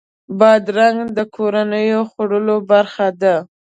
بادرنګ د کورنیو خوړو برخه ده.